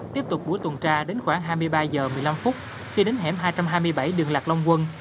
tiếp tục buổi tuần tra đến khoảng hai mươi ba h một mươi năm khi đến hẻm hai trăm hai mươi bảy đường lạc long quân